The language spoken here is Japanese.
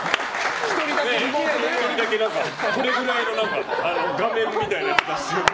１人だけこれぐらいの画面みたいなやつを出して。